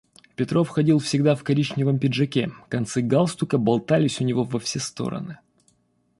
Петров ходил всегда в коричневом пиджаке, концы галстука болтались у него во все стороны.